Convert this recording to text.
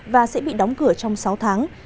và sẽ bị đóng cửa trong sáu tháng